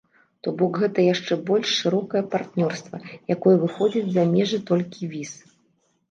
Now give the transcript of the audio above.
То бок гэта яшчэ больш шырокае партнёрства, якое выходзіць за межы толькі віз.